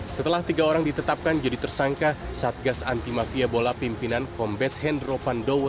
setelah tiga orang ditetapkan jadi tersangka satgas anti mafia bola pimpinan kombes hendro pandowo